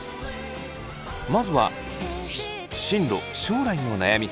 まずは進路将来の悩みから。